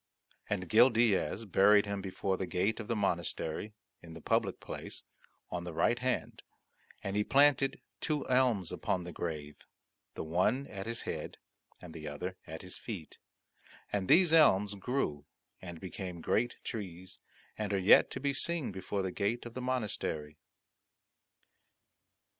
And Gil Diaz buried him before the gate of the monastery, in the public place, on the right hand; and he planted two elms upon the grave, the one at his head and the other at his feet, and these elms grew and became great trees, and are yet to be seen before the gate of the monastery.